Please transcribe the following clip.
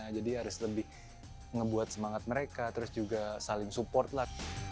jadi harus lebih ngebuat semangat mereka terus juga saling support lah